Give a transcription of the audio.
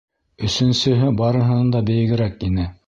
Өсөнсөһө барыһынан да бейегерәк ине.